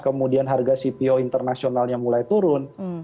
kemudian harga cpo internasionalnya mulai turun